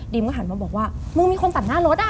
มันก็หันมาบอกว่ามึงมีคนตัดหน้ารถอ่ะ